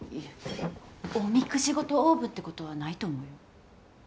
おみくじごとオーブンってことはないと思うよ。